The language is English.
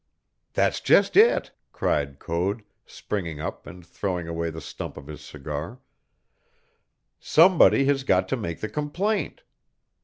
"That's just it," cried Code, springing up and throwing away the stump of his cigar; "somebody has got to make the complaint!